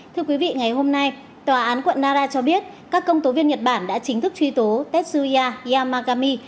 thưa quý vị ngày hôm nay tòa án quận nara cho biết các công tố viên nhật bản đã chính thức truy tố testuia yamagami